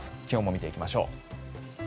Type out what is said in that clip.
気温も見ていきましょう。